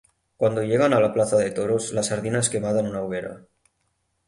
Cuando llegan a la plaza de toros la sardina es quemada en una hoguera.